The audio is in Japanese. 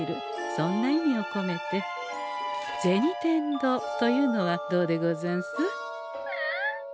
そんな意味をこめて「銭転堂」というのはどうでござんす？ニャ？